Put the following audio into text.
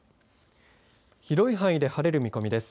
広い範囲で晴れる見込みです。